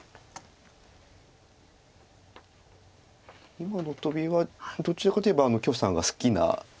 今のトビはどちらかといえば許さんが好きな。